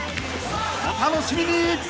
［お楽しみに！］